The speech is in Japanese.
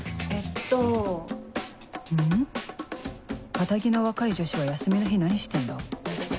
堅気の若い女子は休みの日何してんだ？